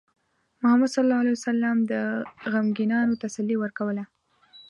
محمد صلى الله عليه وسلم د غمگینانو تسلي ورکوله.